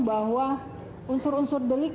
bahwa unsur unsur delik